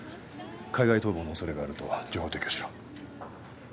海外逃亡の恐れがあると情報提供しろ。